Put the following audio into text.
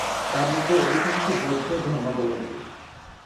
তার মধ্যে অধিকাংশ বৌদ্ধ ধর্মাবলম্বী।